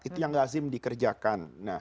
itu yang lazim dikerjakan